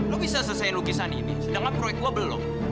lu bisa selesaiin lukisan ini sedangkan proyek gue belum